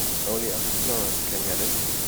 Only us explorers can get it.